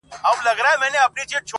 د بېوفا لفظونه راوړل.